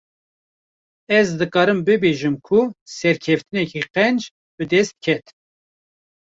Ez dikarim bêjim ku serkeftineke qenc, bi dest ket